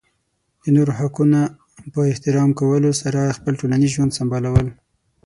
د نورو د حقونو په احترام کولو سره خپل ټولنیز ژوند سمبالول.